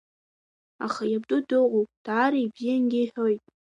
Аха иабду дыҟоуп, даара ибзиангьы иҳәоит.